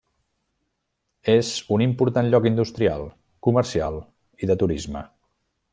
És un important lloc industrial, comercial i de turisme.